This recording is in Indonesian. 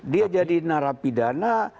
dia jadi narapidana